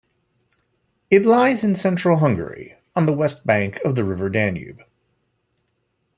It lies in central Hungary, on the west bank of the river Danube.